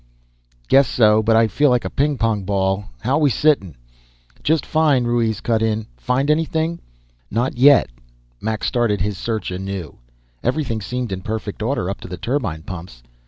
"Guess so, but I feel like a ping pong ball. How're we sittin'?" "Just fine," Ruiz cut in. "Find anything?" "Not yet." Mac started his search anew. Everything seemed in perfect order up to the turbine pumps.